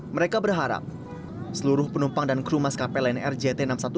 mereka berharap seluruh penumpang dan kru maskapai lion air jt enam ratus sepuluh